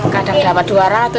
kadang dapat dua ratus